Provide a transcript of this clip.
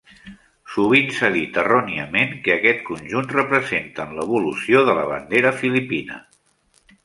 Sovint s'ha dit erròniament que aquest conjunt representen l'"Evolució de la bandera filipina".